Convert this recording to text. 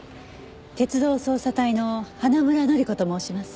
鉄道捜査隊の花村乃里子と申します。